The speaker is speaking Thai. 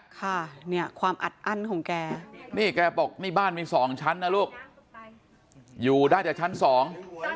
ค่ะเนี่ยความอัดอั้นของแกนี่แกบอกนี่บ้านมีสองชั้นนะลูกอยู่ได้แต่ชั้นสอง